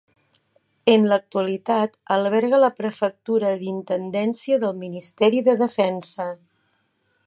En l'actualitat alberga la Prefectura d'Intendència del Ministeri de Defensa.